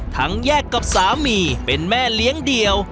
แยกกับสามีเป็นแม่เลี้ยงเดี่ยว